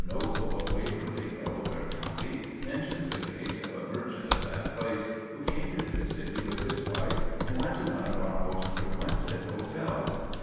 Noble, of Waverley, Delaware County, mentions the case of a merchant of that place, who came to this city with his wife, and went to one of our most frequented hotels.